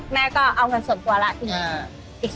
แม่ก็เอาเงินส่วนตัวแล้ว